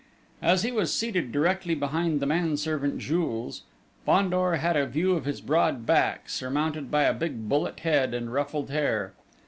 As he was seated directly behind the manservant, Jules, Fandor had a view of his broad back, surmounted by a big bullet head and ruffled hair.